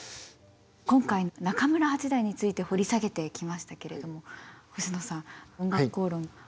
今回中村八大について掘り下げてきましたけれども星野さん「おんがくこうろん」